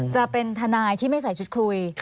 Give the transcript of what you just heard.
จะเป็นทนายที่ไม่ใส่ชุดคุย